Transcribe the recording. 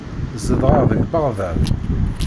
Zedɣeɣ deg Beɣdad.